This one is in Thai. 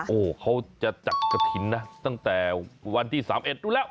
โอ้เขาจะจัดกระพินนะตั้งแต่วันที่สามเอ็ดดูแล้ว